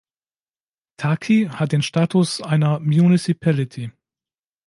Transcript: Taki hat den Status einer Municipality.